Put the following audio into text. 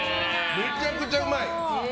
めちゃくちゃうまい！